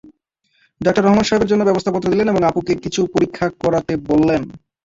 Doctor Rahman সাহেবের জন্য ব্যবস্থাপত্র দিলেন এবং অপুকে কিছু পরীক্ষা করাতে বললেন।